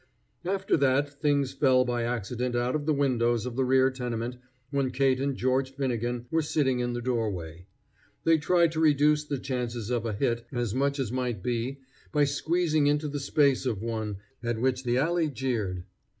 After that things fell by accident out of the windows of the rear tenement when Kate and George Finnegan were sitting in the doorway. They tried to reduce the chances of a hit as much as might be by squeezing into the space of one, at which the alley jeered.